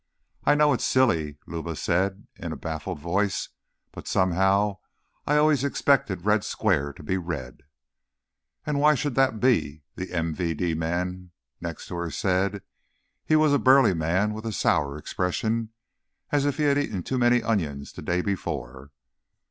"I know it's silly," Luba said in a baffled voice, "but, somehow, I always expected Red Square to be red." "And why should that be?" the MVD man next to her said. He was a burly man with a sour expression, as if he had eaten too many onions the day before.